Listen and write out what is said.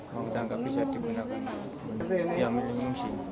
sudah nggak bisa digunakan